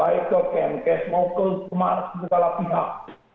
baik ke pmk mau ke kemas bukanlah pihak